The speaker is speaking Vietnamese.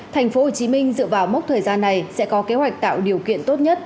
thành phố hồ chí minh dựa vào mốc thời gian này sẽ có kế hoạch tạo điều kiện tốt nhất